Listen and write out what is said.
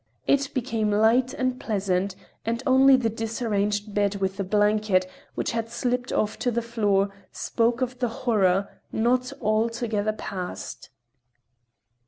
It became light and pleasant, and only the disarranged bed with the blanket, which had slipped off to the floor, spoke of the horror, not altogether past.